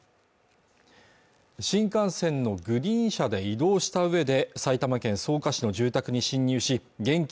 新幹線のグリーン車で移動した上で埼玉県草加市の住宅に侵入し現金